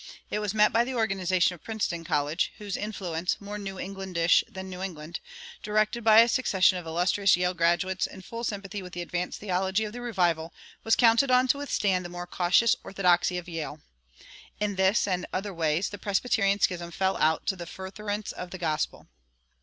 It was met by the organization of Princeton College, whose influence, more New Englandish than New England, directed by a succession of illustrious Yale graduates in full sympathy with the advanced theology of the revival, was counted on to withstand the more cautious orthodoxy of Yale. In this and other ways the Presbyterian schism fell out to the furtherance of the gospel.